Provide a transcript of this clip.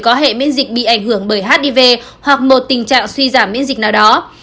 có hệ miễn dịch bị ảnh hưởng bởi hiv hoặc một tình trạng suy giảm miễn dịch nào đó